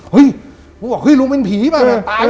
ผมบอกลุงเป็นผีป่ะบอกลุงกำลัด